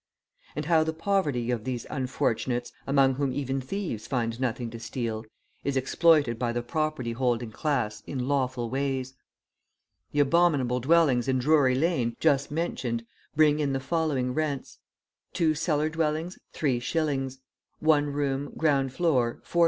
And how the poverty of these unfortunates, among whom even thieves find nothing to steal, is exploited by the property holding class in lawful ways! The abominable dwellings in Drury Lane, just mentioned, bring in the following rents: two cellar dwellings, 3s.; one room, ground floor, 4s.